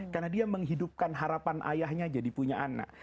karena dia menghidupkan harapan ayahnya jadi punya anak